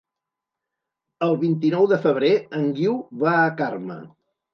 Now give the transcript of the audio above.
El vint-i-nou de febrer en Guiu va a Carme.